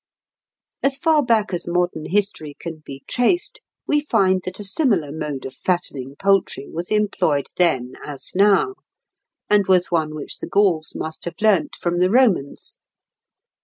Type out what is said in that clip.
As far back as modern history can be traced, we find that a similar mode of fattening poultry was employed then as now, and was one which the Gauls must have learnt from the Romans.